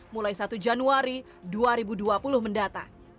mulai satu januari dua ribu dua puluh mendatang